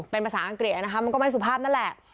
เป็นภาษาอังกฤษนะคะมันก็ไม่สุภาพนั่นแหละ